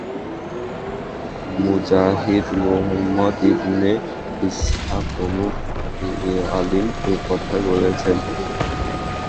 মুজাহিদ, Muhammad ibn Ishaq প্রমুখ আলিম এ কথাই বলেছেন।